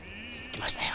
来ましたよ！